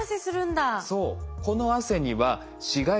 そう。